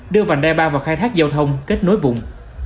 đưa vành đai ba vào khai thác giao thông kết nối vùng